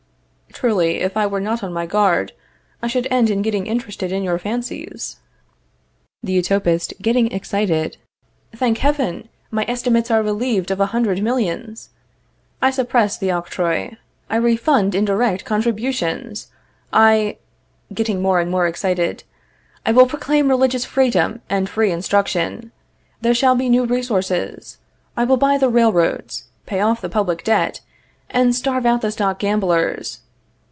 Truly, if I were not on my guard, I should end in getting interested in your fancies. The Utopist, getting excited: Thank Heaven, my estimates are relieved of a hundred millions! I suppress the octroi. I refund indirect contributions. I Getting more and more excited: I will proclaim religious freedom and free instruction. There shall be new resources. I will buy the railroads, pay off the public debt, and starve out the stock gamblers.